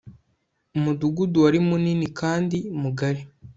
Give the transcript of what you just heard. umudugudu wari munini kandi mugari